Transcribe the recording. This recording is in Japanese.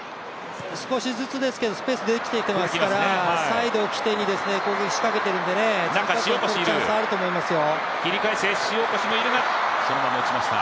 少しずつですけれども、スペースできていますから、サイドを機転に攻撃を仕掛けているので、チャンスあると思いますよ。